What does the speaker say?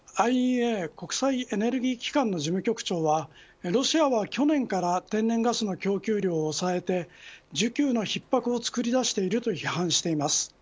ＩＥＡ国際エネルギー機関の事務局長はロシアは去年から天然ガスの供給量を抑えて需給の逼迫を作り出していると批判しています。